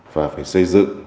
và phải xây dựng